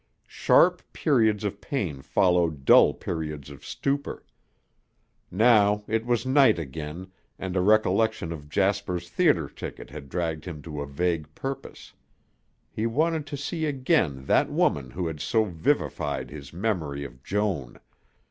Sharp periods of pain followed dull periods of stupor. Now it was night again and a recollection of Jasper's theater ticket had dragged him to a vague purpose. He wanted to see again that woman who had so vivified his memory of Joan.